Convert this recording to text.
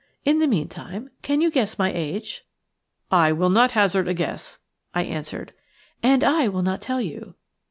In the meantime can you guess my age?" "I will not hazard a guess," I answered. "And I will not tell you.